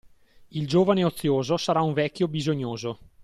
Il giovane ozioso sarà un vecchio bisognoso.